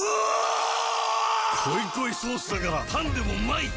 濃い濃いソースだからパンでもうまい‼